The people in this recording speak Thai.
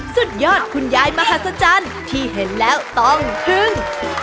สุดยอดคุณยายมหัศจรรย์ที่เห็นแล้วต้องฮึ้ง